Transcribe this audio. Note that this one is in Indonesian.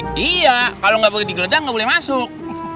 iya kalo gak pake digeledah gak boleh masuk